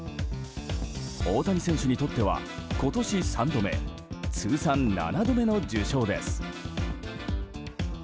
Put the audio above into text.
大谷選手にとっては今年３度目通算７度目の受賞です。